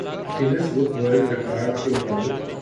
Guinness book world record کے مطابق